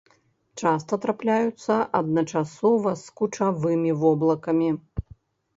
Часта трапляюцца адначасова з кучавымі воблакамі.